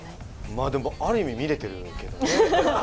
まあでもある意味見れてるけどね。